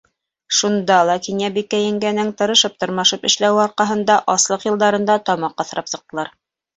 Шунда ла Кинйәбикә еңгәнең тырышып-тырмашып эшләүе арҡаһында аслыҡ йылдарында тамаҡ аҫрап сыҡтылар.